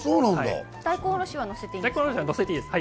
大根おろしは乗せていいですか？